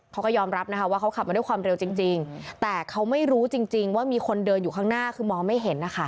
เขาก็ยอมรับนะคะว่าเขาขับมาด้วยความเร็วจริงแต่เขาไม่รู้จริงว่ามีคนเดินอยู่ข้างหน้าคือมองไม่เห็นนะคะ